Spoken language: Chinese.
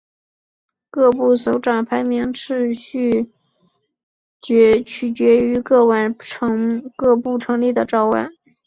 各部首长排名次序取决于各部成立的早晚。